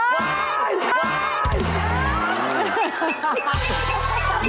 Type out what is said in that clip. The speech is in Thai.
ว้าย